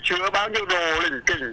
có bao nhiêu đồ lỉnh kỉ